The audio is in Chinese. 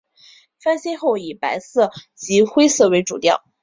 翻新后以白色及灰色为主调。